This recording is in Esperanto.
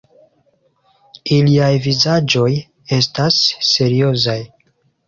Iliaj vizaĝoj estas seriozaj.